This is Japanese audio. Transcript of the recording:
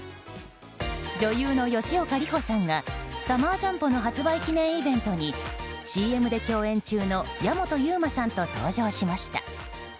女優の吉岡里帆さんがサマージャンボの発売記念イベントにＣＭで共演中の矢本悠馬さんと登場しました。